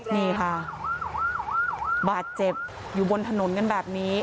นี่ค่ะบาดเจ็บอยู่บนถนนกันแบบนี้